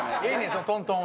そのトントンは。